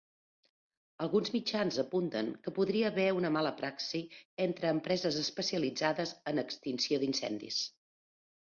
Alguns mitjans apunten que podria haver una mala praxi entre empreses especialitzades en extinció d'incendis.